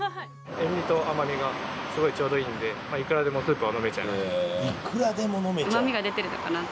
塩みと甘みがすごいちょうどいいのでいくらでもスープを飲めちゃう。